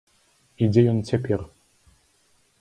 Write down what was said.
І дзе ён цяпер?